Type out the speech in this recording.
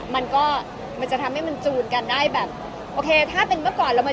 มันก็จะทำไม่เป็นสูสกันได้แบบโอเคถ้าเป็นเมื่อก่อนเรามา